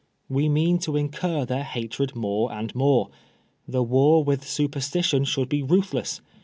We mean to incur their hatred more and more. The war with superstition should be ruthless.